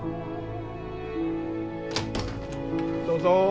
どうぞ。